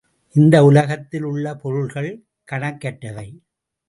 இந்த உலகத்தில் உள்ள பொருள்கள் கணக்கற்றவை.